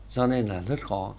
cho nên là rất khó